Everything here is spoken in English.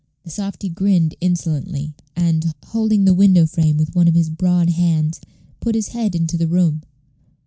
The softy grinned insolently, and, holding the window frame with one of his broad hands, put his head into the room.